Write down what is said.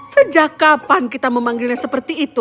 sejak kapan kita memanggilnya seperti itu